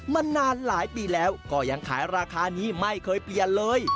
มานานหลายปีแล้วก็ยังขายราคานี้ไม่เคยเปลี่ยนเลย